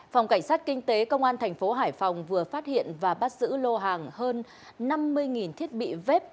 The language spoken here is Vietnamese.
phòng cảnh sát kinh tế công an tp hải phòng vừa phát hiện và bắt giữ lô hàng hơn năm mươi thiết bị vếp thuốc lá đá